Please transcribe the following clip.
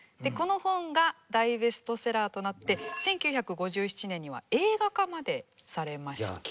この本が大ベストセラーとなって１９５７年には映画化までされました。